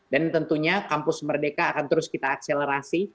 dan tentunya kampus merdeka akan terus kita akselerasi